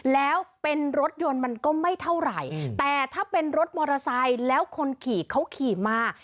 แล้วเป็นรถยนต์มันก็ไม่เท่าไหร่แต่ถ้าเป็นรถมอเตอร์ไซค์แล้วคนขี่เขาขี่มา